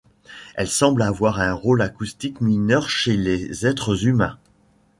Elle semble avoir un rôle acoustique mineur chez les êtres humains.